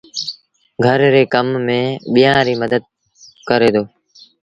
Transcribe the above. گھر ري ڪم ميݩ ٻيٚآݩ ريٚ مدت ڪري دو